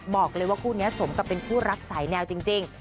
บอกเลยว่าคู่นี้สมกับเป็นคู่รักสายแนวจริง